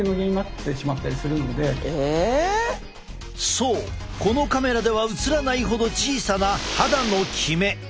そうこのカメラでは映らないほど小さな肌のキメ。